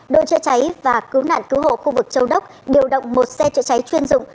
đội chữa cháy và cứu nạn cứu hộ khu vực châu đốc điều động một xe chữa cháy chuyên dụng